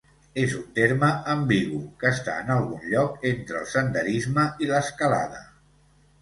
És un terme ambigu que està en algun lloc entre el senderisme i l'escalada.